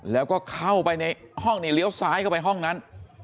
แล้วก็เข้าไปในห้องนี่เลี้ยวซ้ายเข้าไปห้องนั้น